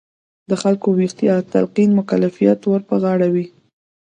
د خلکو ویښتیا تلقین مکلفیت ور په غاړه وي.